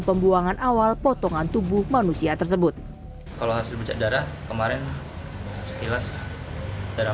pembuangan awal potongan tubuh manusia tersebut kalau hasil becak darah kemarin sekilas darah